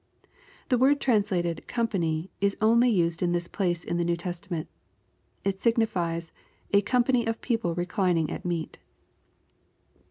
'] The word translated "company," is only used '.n this p ace in the New Testament. It signi^es " a company of people reclining at meat."